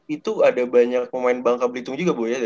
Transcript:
itu ada banyak pemain bangka belitung juga